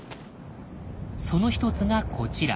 その一つがこちら。